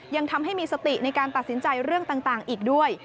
ยังทำให้มีสติในการตัดสินใจเรื่องต่างอีกด้วย